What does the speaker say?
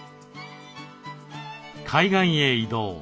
海岸へ移動。